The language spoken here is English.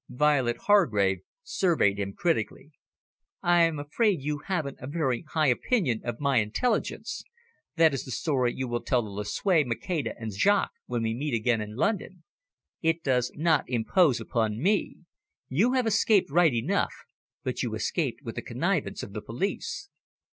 Violet Hargrave surveyed him critically. "I am afraid you haven't a very high opinion of my intelligence. That is the story you will tell to Lucue, Maceda, and Jaques when we meet again in London. It does not impose upon me. You have escaped right enough, but you escaped with the connivance of the police."